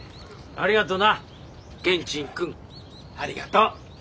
ありがとう。